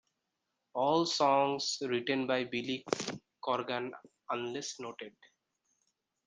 All songs written by Billy Corgan unless noted.